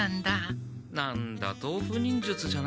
何だ豆腐忍術じゃないんだ。